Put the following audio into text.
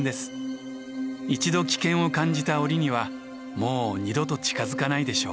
一度危険を感じた檻にはもう二度と近づかないでしょう。